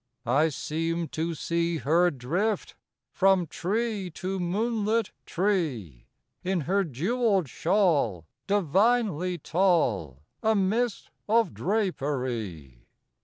I seem to see her drift From tree to moonlit tree, In her jewelled shawl divinely tall, A mist of drapery.